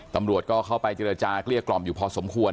ตำรวจก็เข้าไปเจรจาเกลี้ยกล่อมอยู่พอสมควร